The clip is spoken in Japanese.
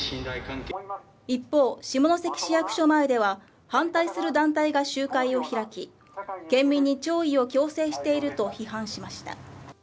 一方、下関市役所前では反対する団体が集会を開き県民に弔意を強制していると批判しました。